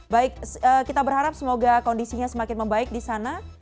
baik kita berharap semoga kondisinya semakin membaik di sana